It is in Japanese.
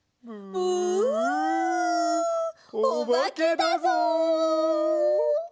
ブーおばけだぞ。